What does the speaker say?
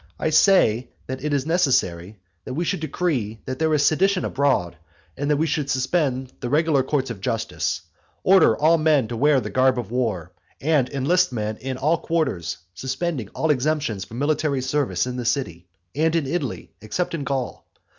I say that it is necessary that we should decree that there is sedition abroad, that we should suspend the regular courts of justice, order all men to wear the garb of war, and enlist men in all quarters, suspending all exemptions from military service in the city and in all Italy, except in Gaul.